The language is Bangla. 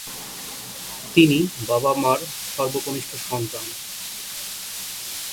তিনি বাবা-মার সর্বকনিষ্ঠ সন্তান।